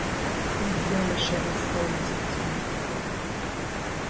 Eh ! bien, ma chère enfant, disait-il